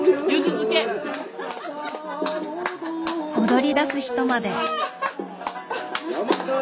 踊りだす人まで。